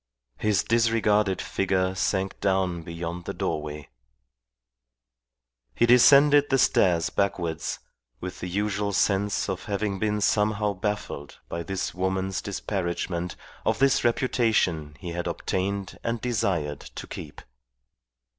His disregarded figure sank down beyond the doorway. He descended the stairs backwards, with the usual sense of having been somehow baffled by this woman's disparagement of this reputation he had obtained and desired to keep.